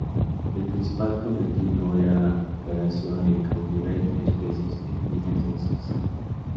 El principal cometido era la recuperación en cautiverio de especies en vías de extinción.